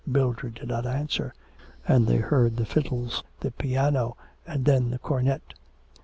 Mildred did not answer, and they heard the fiddles, the piano, and then the cornet.